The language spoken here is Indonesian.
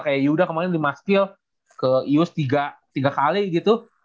kayak yaudah kemarin lima skill ke ius tiga kali gitu